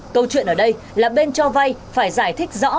câu chuyện ở đây là bên cho vay phải giải thích rõ